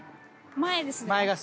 前ですね。